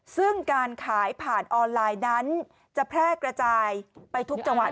ซึ่งการขายผ่านออนไลน์นั้นจะแพร่กระจายไปทุกจังหวัด